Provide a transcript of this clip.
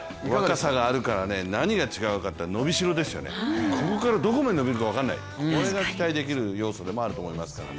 若さがあるから何が違うかって、伸びしろですよね、ここからどこまで伸びるか分からない、これが期待できる要素でもあると思いますからね。